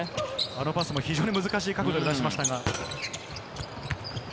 あのパスも難しい角度で出しました。